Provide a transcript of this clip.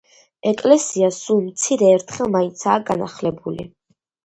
ეკლესია სულ მცირე ერთხელ მაინცაა განახლებული.